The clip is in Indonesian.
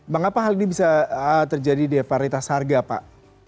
mengapa hal ini bisa terjadi di varitas harga pak